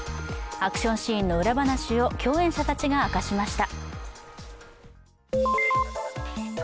アクションシーンの裏話を共演者たちが明かしました。